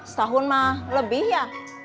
setahun mah lebih ya